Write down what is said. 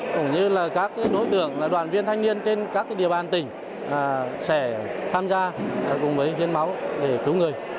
cũng như là các đối tượng đoàn viên thanh niên trên các địa bàn tỉnh sẽ tham gia cùng với hiến máu để cứu người